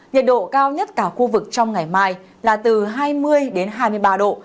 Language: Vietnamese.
nhiệt độ cao nhất cả khu vực trong ngày mai là từ hai mươi đến hai mươi ba độ